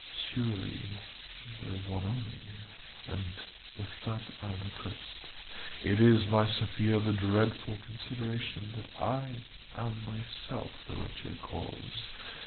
Surely there is one only, and with that I am accursed. It is, my Sophia, the dreadful consideration that I am myself the wretched cause.